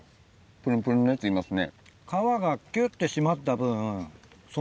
プルンプルンのやついますね。